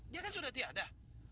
dia kan sudah tiada